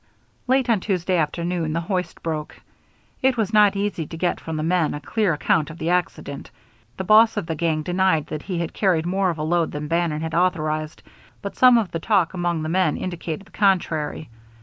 Late on Tuesday afternoon the hoist broke. It was not easy to get from the men a clear account of the accident. The boss of the gang denied that he had carried more of a load than Bannon had authorized, but some of the talk among the men indicated the contrary.